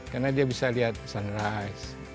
karena dia bisa lihat sunrise